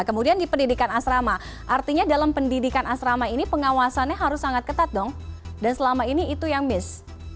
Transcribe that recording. kemudian di pendidikan asrama artinya dalam pendidikan asrama ini pengawasannya harus sangat ketat dong dan selama ini itu yang miss